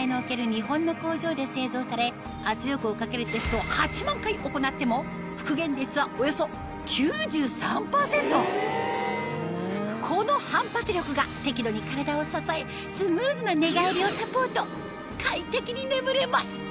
日本の工場で製造され圧力をかけるテストをこの反発力が適度に体を支えスムーズな寝返りをサポート快適に眠れます